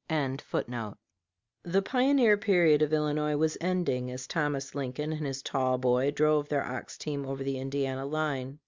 ] The pioneer period of Illinois was ending as Thomas Lincoln and his tall boy drove their ox team over the Indiana line.